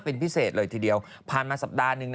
เป็นพิเศษเลยทีเดียวผ่านมาสัปดาห์หนึ่ง